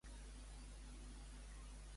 Clavar amb tatxes.